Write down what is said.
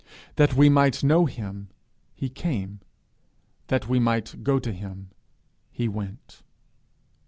That we might know him he came; that we might go to him he went.